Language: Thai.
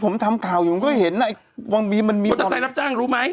ผมทำข่าวอยู่ก็เห็นวางดร์มีมมันมีบอร์ด